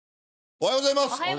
おはようございます。